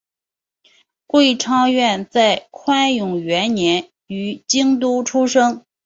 桂昌院在宽永元年于京都出生。